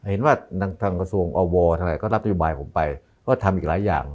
เห็นว่าทางกระทรวงอวทางอะไรก็รับนโยบายผมไปก็ทำอีกหลายอย่าง